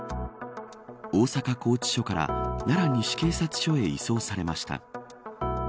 大阪拘置所から奈良西警察署へ移送されました。